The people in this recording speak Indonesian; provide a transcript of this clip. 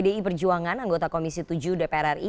politikus pdi berjuangan anggota komisi tujuh dpr ri